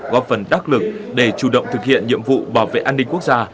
góp phần đắc lực để chủ động thực hiện nhiệm vụ bảo vệ an ninh quốc gia